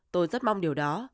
tôi rất mong điều đó